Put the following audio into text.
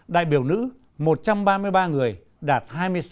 đại biểu nữ một trăm ba mươi ba người đạt hai mươi sáu